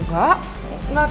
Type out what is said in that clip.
gak tau sih kak